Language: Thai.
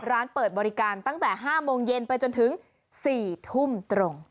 ร้านเปิดบริการตั้งแต่๕โมงเย็นไปจนถึง๔ทุ่มตรง